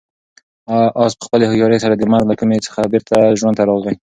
آس په خپلې هوښیارۍ سره د مرګ له کومې څخه بېرته ژوند ته راغی.